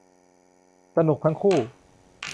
สนุกทั้งคู่